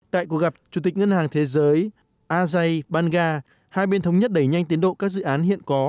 tại cuộc gặp chủ tịch ngân hàng thế giới azai banga hai bên thống nhất đẩy nhanh tiến độ các dự án hiện có